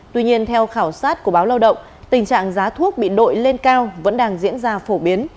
tuy nhiên theo khảo sát của báo lao động tình trạng giá thuốc bị đội lên cao vẫn đang diễn ra phổ biến